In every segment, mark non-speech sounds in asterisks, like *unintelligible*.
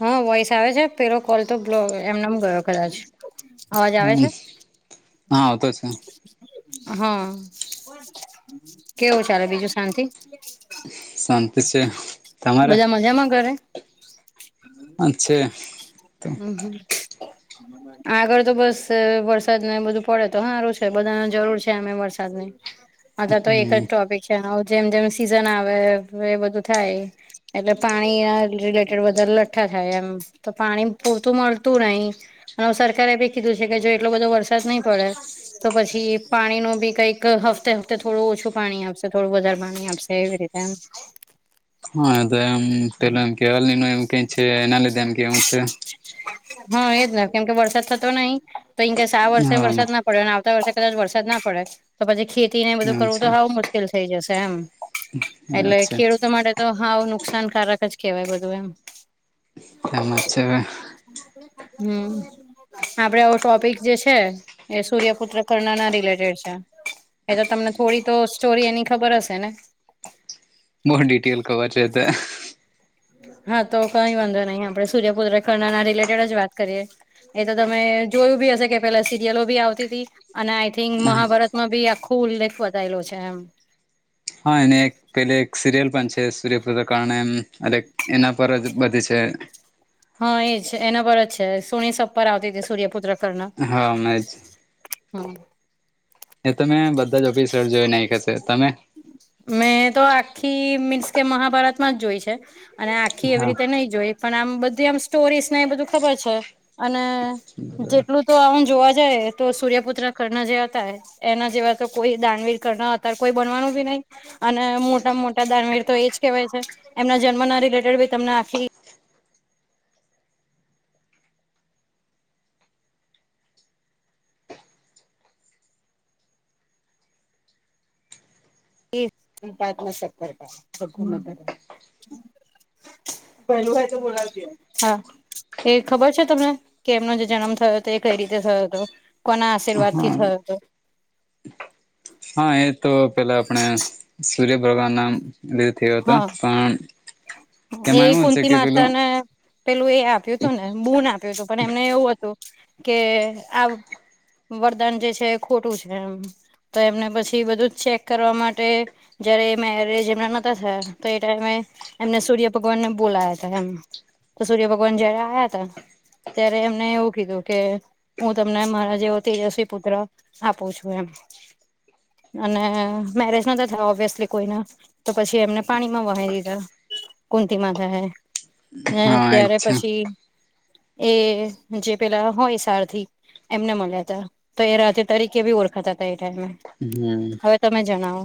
હા વોઈસ આવે છે? પેલો કોલ તો બલો એમનેમ ગયો કદાચ. અવાજ આવે હમ્મ. છે હા આવતો છે. હા. કેવું ચાલે બીજું શાંતિ. શાંતિ છે તમારે બધા મજામાં ઘરે. છે હમમ. આગળ તો બસ વરસાદ ને બધું પડે તો હારું છે. બધાને જરૂર છે આમે વરસાદની. અતયારે તો એક જ ટોપિક અચ્છા. જેમ-જેમ સિઝન આવે એ બધું થાય એટલે પાણી અ રિલેટેડ એટલે વધારે લઠ્ઠા થાય એમ તો પાણી પૂરતું મળતું નય. અને સરકારે બી કીધું છે કે જો એટલો બધો વરસાદ નય પડે તો પછી પાણીનું બી કઈક હફ્તે-હફ્તે થોડું ઓછું પાણી આપશે, થોડું વધારે પાણી આપશે એવી રીતે એમ. હા તો એમ પેલા એમ કેવા એમ કે છે એના લીધે એમ કે એમ છે. હા એજ ને કેમકે વરસાદ થતો નય તો ઈન કેસ આ વર્ષે હા વરસાદ પડયો અને આવતા વર્ષે કદાચ વરસાદ ના પડે તો પછી ખેતીને બધું એવું કરવું છે તો હાવ મુશ્કેલ થઈ જશે એમ. એટલે છે ખેડૂતો માટે તો હાવ નુકસાનકારક જ કેવાય બધું એમ. એમ જ છે અવે. હમમ આપણે આવો ટોપિક જે છે. એ સૂર્યપુત્ર કરણના રિલેટેડ છે. એતો તમને થોડી તો સ્ટોરી એની ખબર હશે ને? બો ડિટેલ કવર છે એતો. હા, તો કઈ વાંધો નહી આપણે સૂર્યપુત્ર કરનના રિલેટેડ જ વાત કરીએ. એ તો તમે જોયું બી હશે કે પેલા સિરિયલો બી આવતી હતી. અને આઈ થિંક મહાભારતમાં બી આખું ઉલ્લેખ બતાયેલો છે એમ. હા. એને એક પેલી એક સિરિયલ પણ છે સૂર્યપુત્ર કારણ એમ. એના પર જ બધી છે. હા, એ જ એના પર જ છે સોની શબ પર આવતી તી સૂર્યપુત્ર કરણ. હા મેજ હા. એ તો મે બધા જ એપીસોડ જોય નાખેલા છે તમે? મેં તો આખી મીન્સ કે મહાભારતમાં જ જોઈ છે. અને આખી એવી હા રીતે નહી જોઈ પણ આમ બધી આમ સ્ટોરીઝ ને એ બધું ખબર છે. અને જેટલું તો આવું જોવા જાય તો સૂર્યપુત્ર કર્ણ જેવા હતા એના જેવા તો કોઈ દાનવીર કર્ણ અત્યારે કોઈ બનવાનું બી નહી. અને મોટા-મોટા દાનવીર તો એજ કહેવાય છે એમના જન્મના રિલેટેડ બી તમને આખી પાંચમાં હા. એ ખબર છે તમને કે એમનો જે જન્મ થયો હતો, એ કઈ રીતે થયો હતો? કોના આશીર્વાદ હા થી થયો હતો હા એ તો પેલા આપણે સૂર્ય ભગવાન નામ દેહ થી હતા હા પણ એ એમાં એવું છે કુંતી કે માતા, પેલું ને પેલું એ આવ્યું હતું ને? બુન આપ્યો હતો પણ એમને એવું હતું કે આવ વરદાન જે છે ખોટું છે, એમ તો એમને પછી બધું ચેક કરવા માટે જયારે એ મેરેજ એમના ન હોતા થયા તો એ ટાઈમે એમને સૂર્ય ભગવાનને બોલાયા હતા એમ તો સૂર્ય ભગવાન જયારે આયા તા ત્યારે એમને એવું કીધું કે હું, તમને મારા જેવો તેજસ્વી પુત્ર આપું છું એમ. અને મેરેજ નહોતા થયા ઓબવેસલી કોઈના તો પછી એમને પાણીમાં વહાવી દીધા. કુંતી માતાએ હા ત્યારે અચ્છા પછી એ જે પેલા હોય સારથી એમને મળ્યા હતા તો એ રાધે તરીકે બી ઓળખાતા હતા એ ટાઈમે હમ હવે તમે જણાવો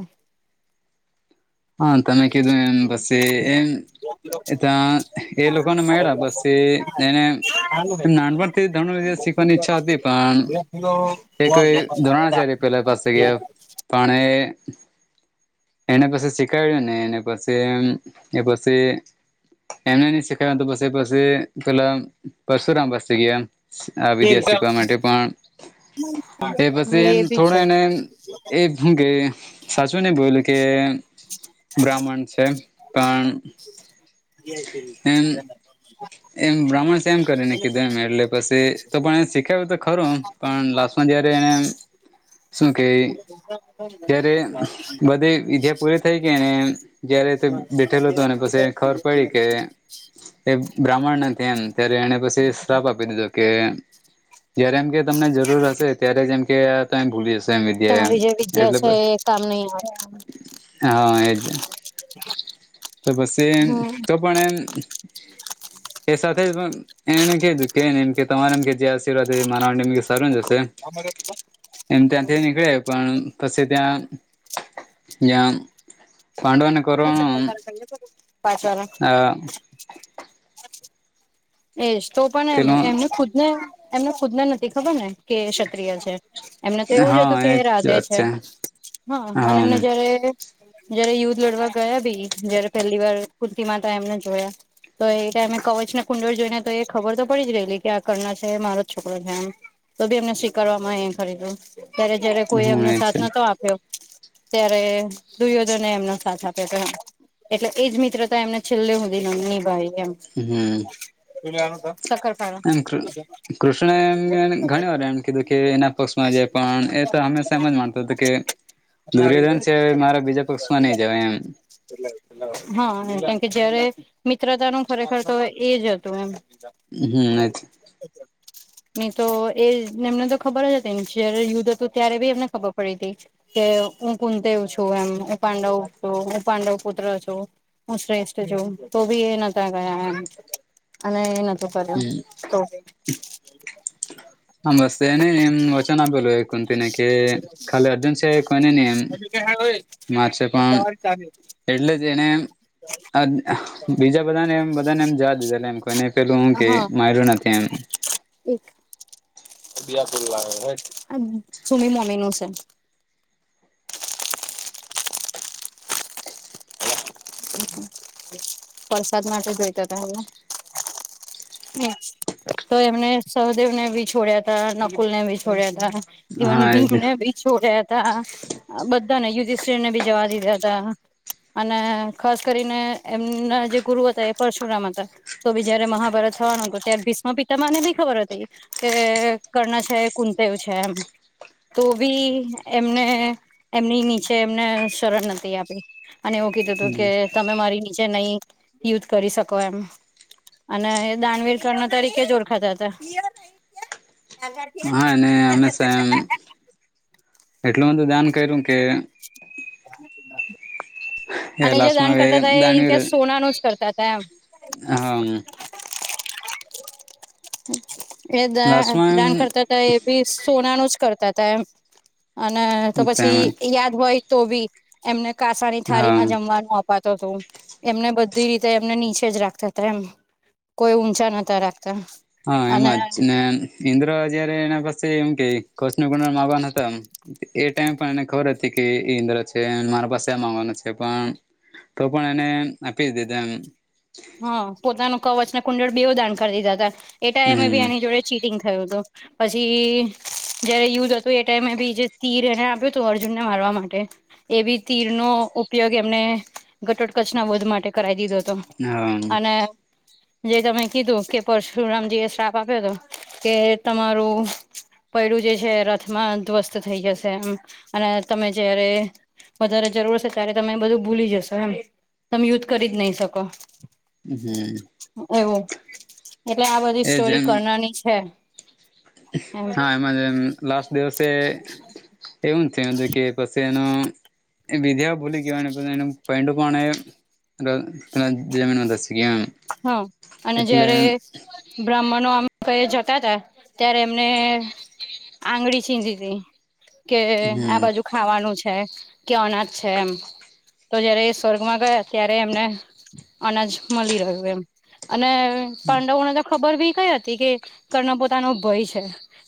હા તમે કીધું એમ બસે એમ એ તા એ લોકોને મળ્યા બસ એ એને નાનપણ ધનુર વિદ્યા શીખવાની ઈચ્છા હતી પણ એ કોઈ ધ્રોણાચાર્ય પેલા પાસે ગયા પણ એ એને પાસે શીખ ક્યું ને પછી એ પછી એમને નહી શીખડાયુ તો પછી પેલા પરશુરામ પાસે ગયા આ વિદ્યા શીખવા માટે પણ એ હવે પછી એમ એ બી થોડો છે એને એ હું ગ સાચુંને બોલ કે બ્રાહ્મણ છે પણ એમ એમ બ્રાહ્મણ છે એમ કરીને કીધું એમ એટલે પછી તો પણ એ શીખાયુ તો ખરું પણ લાસ્ટમાં જયારે એને શું કે જયારે બધી વિદ્યા *unintelligible* પૂરી થઈ ગઇ ને જયારે બેઠેલો હતો પછી ખબર પડી કે એ બ્રાહ્મણ નથી એમ ત્યારે એને પછી શ્રાપ આપી દીધો કે જયારે એમ કે તમને જરૂર હશે ત્યારે જ એમ કે તો એ ભૂલી જશો એમ વિદ્યા એમ તમારી જે વિદ્યા એટલે બ છે એ કામ ની આવે હા એજ તો પછી હમ તો પણ એમ એ સાથે જ પણ એને કધું કે ને એમ કે તમારેમ કે જે આશીર્વાદ મારા માટે એમ સારું જ હશે એમ ત્યાંથી નીકળયા પણ પછી ત્યાં જ્યાં પાંડવાને કૌરવોને પાંચ વારે એજ તો પણ એમ પેલું એમને ખુદ ને એમને ખુદ ને નથી ખબર ને કે ક્ષત્રિય છે એમને તો એવું જ હા હતું કે એજ રાધે વાત છે હા અને એમને જયારે જયારે યુદ્ધ લડવા ગયા ભી જયારે પહેલી વાર કુંતી માતા એમને જોયા તો એટા અમે કવચ કુંડળ જોઈ ને તો એ ખબર તો પડી જ રહેલી કે આ કર્ણા છે મારો જ છોકરો છે એમ તો બી એમને સ્વીકારવામાં ખરીદું ત્યારે જયારે કોઈ હમ એમનો એ સાથ છે નતો આપ્યો ત્યારે દુ્યોધને એમનો સાથ આપ્યો તો એટલે એજ મિત્રતા એમને છેલ્લે હુદી ની નિભાવી એમ હમ્મ તુ આનું તો એમ કૃષ્ણ એમ ઘણી વાર એમ કીધું કે એના પક્ષમાં જે પણ એ તો *unintelligible* માનતો હતો કે દુર્યોધન છે મારા બીજા પક્ષમાં નહી જવા એમ હા કેમકે જયારે મિત્રતા નો ખરેખર તો એજ હતું એમ *inaudible* હમ તો એ એમને તો ખબર જ હતીને જયારે યુદ્ધ હતું ત્યારે બી એમને ખબર પડી હતી કે હું કુંતી છું એમ પાંડવ છું હું પાંડવ પુત્ર છું હુ શ્રેષ્ટ છુ તો ભી એ નાતા ગયા અને એ નતું કર્યું તો હમ્મ *unintelligible* કુંતી ને કે ખાલી અર્જુન સિવાય કોઈ ને નહીં *unintelligible* એટલે જ એને એમ આદ બીજા બધાને એમ બધાને એમ જવા દીધેલા એમ કોઇને પેલું હું કેય હા માર્યું નથી એમ *unintelligible* પ્રસાદ માટે જોઈતા તા હવે હ તો એમને સહદેવ ને ભી છોડ્યા તા નકુલ ને ભી છોડ્યા તા ઈવન હા એ ભીમને ભી છોડ્યા તા આ બધાને યુધિષ્ટિરને બી જવા દીધા તા અને ખાસ કરીને એમના જે ગુરુ હતા એ પરશુરામ હતા તો બી જયારે મહાભારત થવાનું હતું ત્યારે ભીષમ પિતામહ ને ભી ખબર હતી કે એ કર્ણ છે કુંતી ણુ છે એમ તો ભી એમને એમની નીચે એમને શરણ નથી આપી. અને એવું કીધું તું કે તમે મારી નીચે નય યુધ કરી શકો એમ અને એ દાનવીર કર્ણ તરીકે જ ઓરખાતા હતા હા ને હમેશા એમ એટલું બધું દાન કયરું કે એ અને જે લાસ્ટમાં દાન હવે કરતા તા એઇ દાનવીર કે સોના નો જ કરતા તા એમ હા એ દા લાસ્ટમાં દાન કરતા તા એ ભી સોનાનું જ કરતા તા એમ અને તો એમ તેમ પછી યાદ હોય તો બી એમને કાશાની થાળી માં હા જમવાનું આપ વાતો તું એમને બધી રીતે એમને નીચે જ રાખતા તા એમ કોઈ ઉચા ન તા રાકતા હા એમાં જ ને ઇન્દ્ર જયારે એના પાસે એમ કેય *unintelligible* એ ટાઈમે પણ એને ખબર હતી કે એ ઇન્દ્ર છે એન મારા પાસે એ માંગવાના છે પણ તો પણ એને આપી જ દીધા એમ હા પોતાનું કવચ ને કુંડળ બેવ દાન કરી દીધા તા એ ટાઈમે બી હમ એની જોડે જ ચીટિંગ થયું હતું, પછી જયારે યુદ્ધ હતું એ ટાઈમે બીજે તીર એને આપ્યું ત. તો અર્જુન ને મારવા માટે એવી તીરનો ઉપયોગ એમને ઘટોટ કચના વધ માટે કરાવી દીધો તો હા અને જે તમે કીધું કે પરશુરામજી એ શ્રાપ આપ્યો તો કે તમારું પૈડું જે છે રથમાં ધ્વસ્ત થઈ જશે એમ. અને તમે જયારે વધારે જરૂર હસે ત્યારે તમે એ બધું ભૂલી જશો એમ, તમે યુધ કરી જ નય શકો. હ. એવું એટલે આ બધી એજ સ્ટોરી એમ કર્ણની છે. એમ હા એમાં જેમ લાસ્ટ દિવસે એવું ચેવદે કે પસી એનો એ વિદ્યા ભૂલિ ગિયો ને પોતાનું પેન્ડું પણ એ ર તેના જમીનમાં દશી ગીયું એમ. હા, અને એટલે જયારે બ્રાહ્મણો આમ કએ જતા તા, ત્યારે એમને આંગળી ચીંદી તિ, કે આ હમ બાજુ ખાવાનું છે. કેઓના છે એમ. તો જયારે એ સ્વર્ગમાં ગયા ત્યારે એમને, અનાજ મળી રહ્યો. વેમ અને પાંડવો ને ત ખબર બી કઈ હતી કે, કર્ણ પોતાનો ભય છે,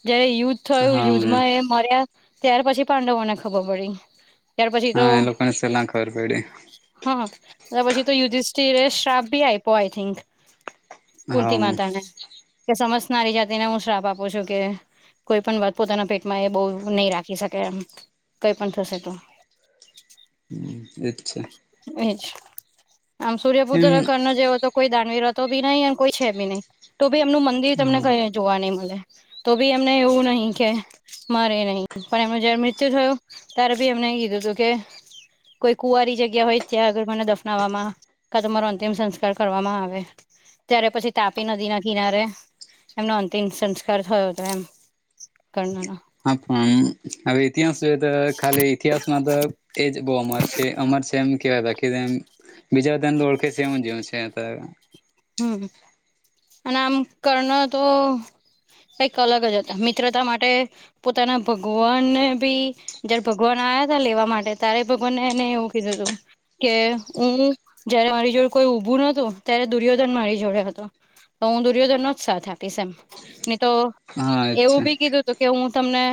જયારે યુદ્ધ થયું હા યુદ્ધમાં એમ માર્યા, ત્યાર પછી પાંડવોને ખબર પડી. ત્યાર પછી તો હા એ લોકોને સેલા ખબર પયડી. હા ને પછી તો યુધિષ્ઠિરે શ્રાપ ભી આયપો આઈ થિંક. હા કુંતી માતા ને, કે સમસનારી જાતિને હું શ્રાપ આપું છું કે કોઈ પન વાત પોતાના પેટમાં એ બોઉ નય રાખી શકે એમ કઈ પણ થશે તો. અચ્છા. એજ, આમ એમ સૂર્યપુત્ર કર્ણ જેવો જ તો કોઈ દાનવીર અતો બી નય અન કોઈ છે બી નય, તો ભી એમનું મંદિર તમને કય જોવા નઈ મળે, તો બી એમને એવું નહિ કે મારે નહીં પણ એમમાં જયારે મૃત્યુ થયું ત્યારે બી એમને એ કીધું હતું કે. કોઈ કુવારી જગ્યા હોય ત્યાં આગર મને દફનાવવામાં ક તમારો અંતિમ સંસ્કાર ાર કરવામાં આવે. ત્યારે પછી તાપી નદી ના કિનારે એમનો અંતિમ સંસ્કાર થયો હતો એમ. કરણનો. હા પણ હવે ઇતિહાસ જો તો ખાલી ઈતિહાસમાં તો એજ બહુ અમાર છે અમાર છે એમ કેવાય બાકીમ બીજા બધને ઓળખે છે એમ જે છે. હમ, અને આમ કરણ તો કઈક અલગ જ હતા મિત્રતા માટે પોતાના ભગવાનને બી જયારે ભગવાન આવ્યા હતા લેવા માટે ત્યારે ભગવાનને એને એવું કીધું હતું. કે હું જયારે મારી જોડે કોઈ ઉભું નતું ત્યારે દુર્યોધન મારી જોડે હતો, તો હું દુર્યોધન નો જ સાથ આપીશ એમ, નહી તો હા એવું અચ્છા બી કીધું હતું કે હું તમને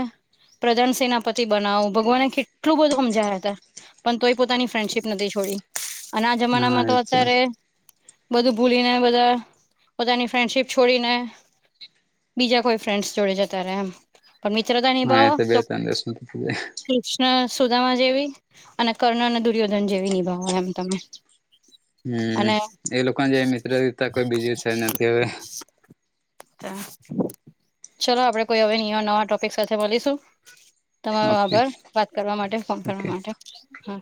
પ્રધાન સેનાપતિ બનાવું ભગવાને કેટલું બધું સમજાયા હતા. પણ તોય પોતાની ફ્રેન્ડશીપ નથી છોડી, અને આ હા જમાનામાં તો અચ્છા અત્યારે બધું ભૂલીને બધા પોતાની ફ્રેન્ડશીપ છોડીને. બીજા કોઈ ફ્રેન્ડ્સ જોડે જતા રે આમ પણ મિત્રતા હા એ નિભાવો બે તો ત્રણ દિવસ કૃષ્ણ સુદામા જેવી અને કર્ણ અને દુર્યોધન જેવી નિભાવો આમ તમે. હમ્મ, અને એ લોકોને જે મિત્રતા કોઈ બીજી છે નથી હવે. તા ચલો આપડે કોઈ હવે નિયા નવા ટોપિક સાથે મલીશું. તમારો ઓકે આભર વાત કરવા માટે ફોન કરવાર ઓકે માટે હા.